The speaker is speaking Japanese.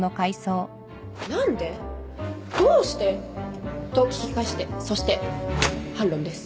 「何で？どうして？」と聞き返してそして反論です